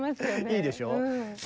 いいでしょ。